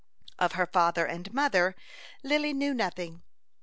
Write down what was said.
Of her father and mother Lily knew nothing.